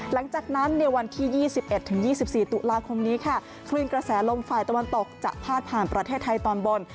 หลังจากนั้นในวันที่๒๑๒๔ตุลาคมนี้ค่ะคลื่นกระแสลมฝ่ายตะวันตกจะพาดผ่านประเทศไทยตอนบน